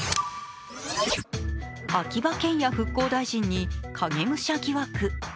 秋葉賢也復興大臣に影武者疑惑。